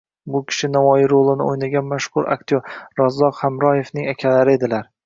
Bu kishi Navoiy rolini o`ynagan mashhur aktyor Razzoq Hamroevning akalari edilar